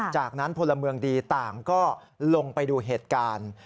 จากนั้นพลเมืองดีต่างก็ลงไปดูเหตุการณ์